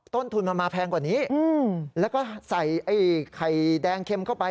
ต้นทุนมันมาแพงกว่านี้แล้วก็ใส่ไอ้ไข่แดงเค็มเข้าไป